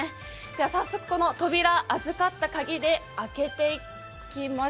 早速、この扉、預かった鍵で開けていきます。